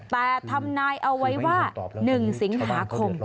แต่ทำนายเอาไว้ว่า๑สิงหาคม